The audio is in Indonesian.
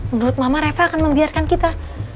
menurut mama refa akan membiarkan kita